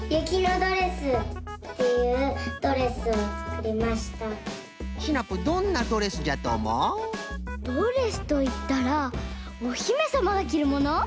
ドレスといったらおひめさまがきるもの？